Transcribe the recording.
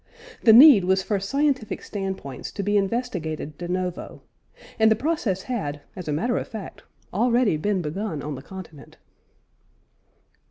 The need was for scientific standpoints to be investigated de novo; and the process had, as a matter of fact, already been begun on the Continent.